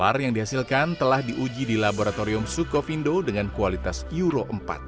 solar yang dihasilkan telah diuji di laboratorium sukovindo dengan kualitas euro empat